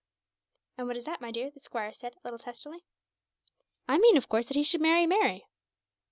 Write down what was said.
"And what is that, my dear?" the squire said, a little testily. "I mean, of course, that he should marry Mary."